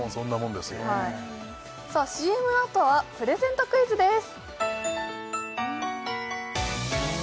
ＣＭのあとはプレゼントクイズです